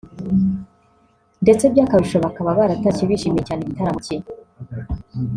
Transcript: ndetse by'akarusho bakaba baratashye bishimiye cyane igitaramo cye